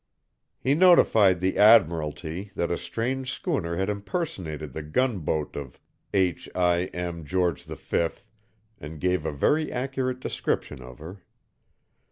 He notified the admiralty that a strange schooner had impersonated the gunboat of H. I. M. George V, and gave a very accurate description of her.